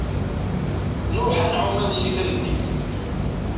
Nruḥ ad nεumm iḍelli tameddit.